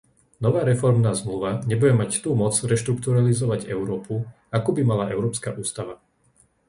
Nová reformná zmluva nebude mať tú moc reštrukturalizovať Európu, akú by mala európska ústava.